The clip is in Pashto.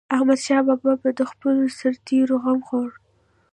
احمدشاه بابا به د خپلو سرتيرو غم خوړ.